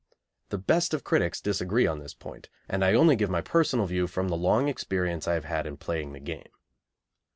The best of critics disagree on this point, and I only give my own personal view from the long experience I have had in playing the game.